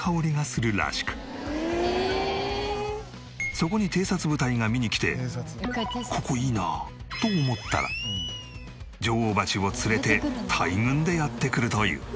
そこに偵察部隊が見に来て「ここいいな！」と思ったら女王蜂を連れて大群でやって来るという。